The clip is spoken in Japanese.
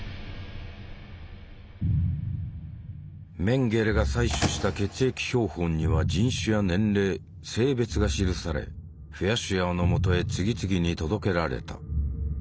メンゲレが採取した血液標本には人種や年齢性別が記されフェアシュアーのもとへ次々に届けられた。